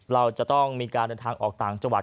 เราจะต้องมีการเดินทางออกต่างจังหวัด